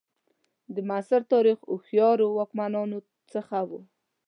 د معاصر تاریخ هوښیارو واکمنانو څخه وو.